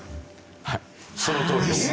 はいそのとおりです。